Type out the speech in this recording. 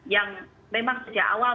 yang memang sejak awal